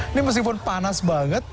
ini meskipun panas banget